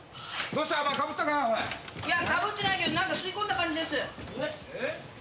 おい・いやかぶってないけど何か吸い込んだ感じですえっ？